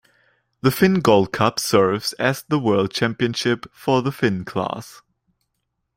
The Finn Gold Cup serves as the World Championship for the Finn class.